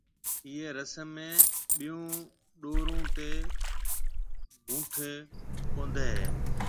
ايئيَ رسم ۾ ٻيون ڏورون تيَ گھونٺيَ ٻونڌي ھيَََ